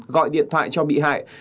gọi điện thoại cho bị hại